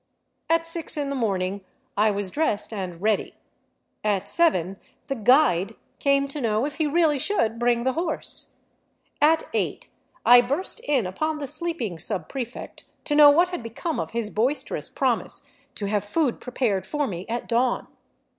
At six In the morning I was dressed and ready ; at seven the " guide " came to know if he really should bring the horse ; at eight I burst in upon the sleeping subprefect to know what had become of his boister 293 VAGABONDING DOWN THE ANDES ous promise to have food prepared for me at dawn.